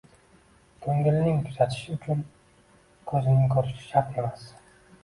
Ko'ngilning kuzatishi uchun ko'zning ko'rishi shart emas.